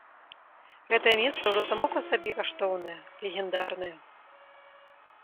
Гэтае месца ўжо само па сабе каштоўнае, легендарнае.